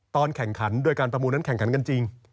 ตอนแข่งขันโดยการประมูลนั้นแข่งขันกันจริง